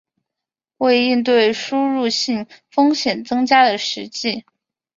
为应对输入性风险增加的实际